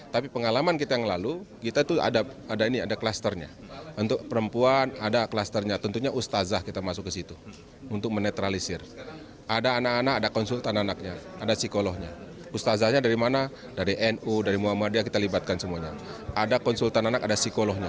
bapak komjen paul soehardi alius